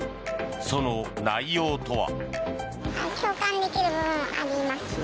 その内容とは。